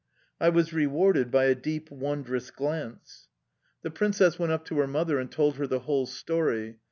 I was rewarded by a deep, wondrous glance. The Princess went up to her mother and told her the whole story.